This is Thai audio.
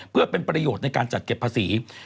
เพื่อเป็นประโยชน์ในการจัดเก็บภาษี